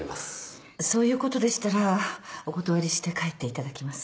そういうことでしたらお断りして帰っていただきます。